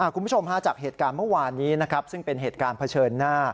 คุณผู้ชมฮาจากเหตุการณ์เมื่อวานนี้นะครับซึ่งเป็นเหตุการณ์เผชิญหน้า